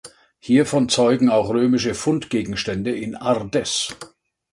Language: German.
Hiervon zeugen auch römische Fundgegenstände in Ardez.